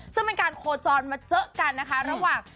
ซึ่งเป็นการโฆษณ์มาเจ๊ะกันหลังกันระหว่าง